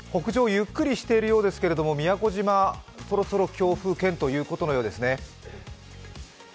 ゆっくりしているようですけど宮古島そろそろ強風圏ということのようですね。